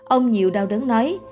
ông nhiều đau đớn nói